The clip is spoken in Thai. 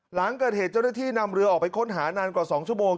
หลังเกิดเหตุเจ้าหน้าที่นำเรือออกไปค้นหานานกว่า๒ชั่วโมง